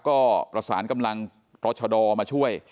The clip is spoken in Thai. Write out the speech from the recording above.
ก็ประสานกำลังตรชดมาช่วย